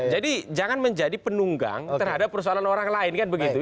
jadi jangan menjadi penunggang terhadap persoalan orang lain kan begitu